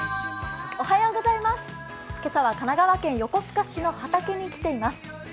今朝は神奈川県横須賀市の畑に来ています。